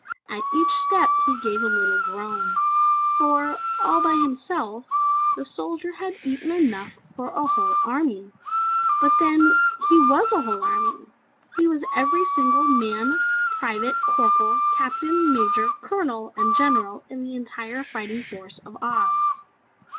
At each step he gave a little groan, for all by himself the soldier had eaten enough for a whole army. But then, he was a whole army; he was every single man, private, corporal, captain, major, colonel and general in the entire fighting force of Oz.